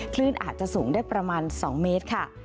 คลื่นอาจจะสูงได้ประมาณ๒เมตรค่ะ